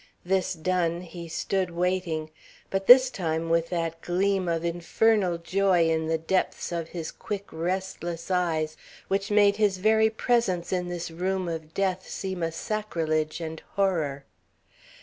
This done, he stood waiting, but this time with that gleam of infernal joy in the depths of his quick, restless eyes which made his very presence in this room of death seem a sacrilege and horror.